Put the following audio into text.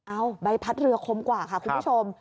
ใบพัดเรือคมกว่าค่ะคุณผู้ชม